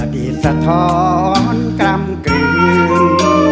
ดีสะท้อนกล้ำกลืน